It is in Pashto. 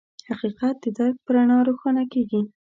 حقیقت د درک په رڼا روښانه کېږي.